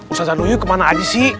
ustazah nuyuy kemana aja sih